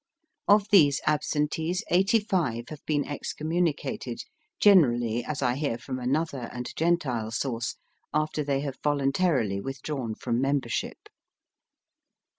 Of these absentees 85 have been excommuni cated, generally, as I hear from another and Gentile source, after they have voluntarily withdrawn from membership.